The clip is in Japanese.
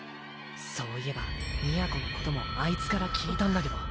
そういえば美弥子のこともあいつから聞いたんだけど。